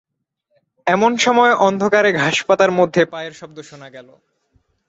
এমন সময়ে অন্ধকারে ঘাসপাতার মধ্যে পায়ের শব্দ শোনা গেল।